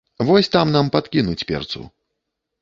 Вось там нам падкінуць перцу.